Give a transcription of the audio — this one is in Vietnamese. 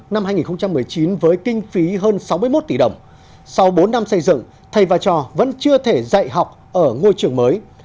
năm hai nghìn một mươi chín với kinh phí hơn sáu mươi một tỷ đồng sau bốn năm xây dựng thầy và trò vẫn chưa thể dạy học ở ngôi trường mới